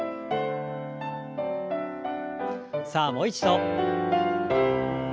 さあもう一度。